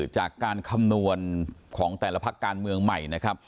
จากการคำนวณของแต่ละพักการเมืองใหม่นะครับ